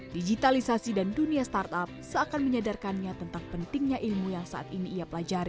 digitalisasi dan dunia startup seakan menyadarkannya tentang pentingnya ilmu yang saat ini ia pelajari